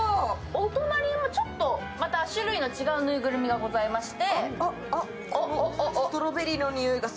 お隣もちょっと種類の違うぬいぐるみがございまして。